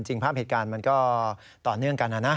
ภาพเหตุการณ์มันก็ต่อเนื่องกันนะนะ